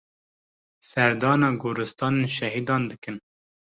Serdana goristanên şehîdan dikin.